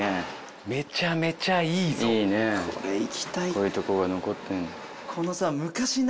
こういうとこが残ってるの。